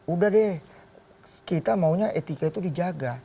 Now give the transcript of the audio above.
udah deh kita maunya etika itu dijaga